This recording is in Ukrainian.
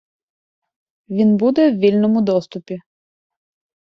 Він буде в вільному доступі.